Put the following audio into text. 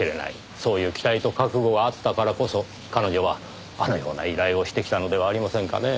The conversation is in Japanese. そういう期待と覚悟があったからこそ彼女はあのような依頼をしてきたのではありませんかねぇ。